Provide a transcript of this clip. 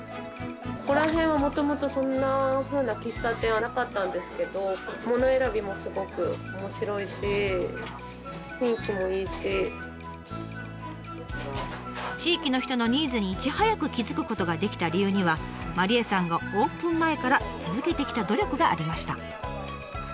ここら辺はもともとそんなふうな喫茶店はなかったんですけど地域の人のニーズにいち早く気付くことができた理由には麻梨絵さんがオープン前から続けてきた努力がありました。